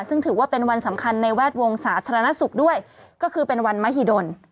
ซึ่งถือว่าเป็นวันสำคัญในแวดวงสาธารณสุขด้วยก็คือเป็นวันมหิดล